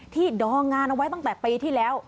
ดองงานเอาไว้ตั้งแต่ปีที่แล้ว